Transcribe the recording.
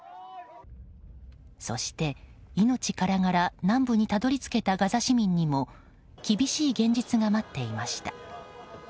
そして、命からがら南部にたどり着けたガザ市民にも厳しい現実が待っていました。